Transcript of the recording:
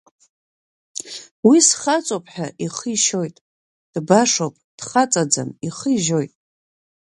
Уи схаҵоуп ҳәа ихы ишьоит, дбашоуп, дхаҵам, ихы ижьоит.